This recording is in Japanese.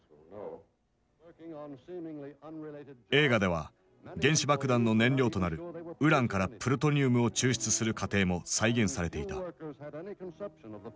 映画では原子爆弾の燃料となるウランからプルトニウムを抽出する過程も再現されていた。